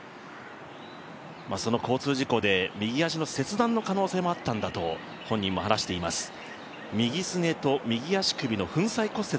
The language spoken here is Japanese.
その交通事故で右足の切断の可能性もあったんだと本人も話しています。